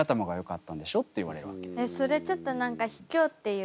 えっそれちょっと何かひきょうっていうか。